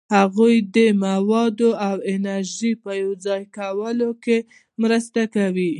هغوی د موادو او انرژي په یوځای کولو کې مرسته کوي.